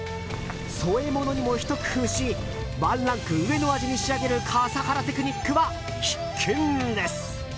添え物にもひと工夫しワンランク上の味に仕上げる笠原テクニックは必見です。